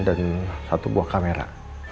ada satu buah kamera